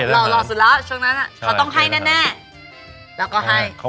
อ่านมา